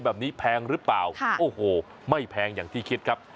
เยอะแบบนี้แพงหรือเปล่าโอ้โหไม่แพงอย่างที่คิดครับ